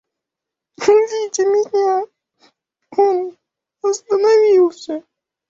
Увидя меня, он остановился.